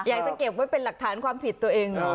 อยากจะเก็บไว้เป็นหลักฐานความผิดตัวเองเหรอ